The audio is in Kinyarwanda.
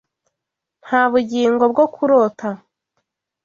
Nta bugingo bwo kurota.